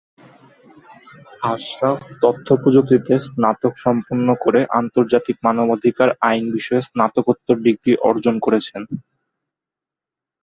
আশরাফ তথ্য প্রযুক্তিতে স্নাতক সম্পন্ন করে আন্তর্জাতিক মানবাধিকার আইন বিষয়ে স্নাতকোত্তর ডিগ্রি অর্জন করেন।